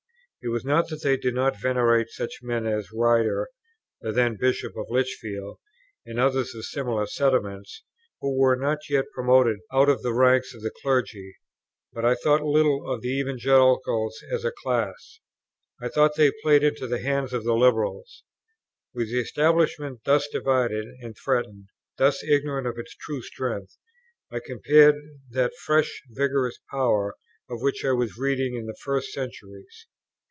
It was not that I did not venerate such men as Ryder, the then Bishop of Lichfield, and others of similar sentiments, who were not yet promoted out of the ranks of the Clergy, but I thought little of the Evangelicals as a class. I thought they played into the hands of the Liberals. With the Establishment thus divided and threatened, thus ignorant of its true strength, I compared that fresh vigorous Power of which I was reading in the first centuries.